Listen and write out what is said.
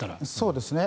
そうですね。